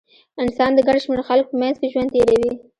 انسان د ګڼ شمېر خلکو په منځ کې ژوند تېروي.